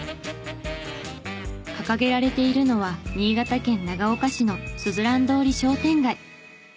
掲げられているのは新潟県長岡市のすずらん通り商店街。